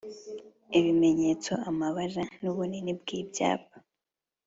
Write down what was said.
Ibimenyetso amabara n’ubunini bw’ibyapa